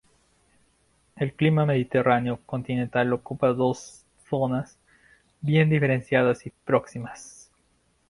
El clima mediterráneo continental ocupa dos zonas bien diferenciadas y próximas.